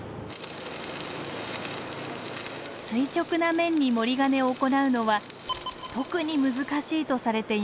垂直な面に盛金を行うのは特に難しいとされています。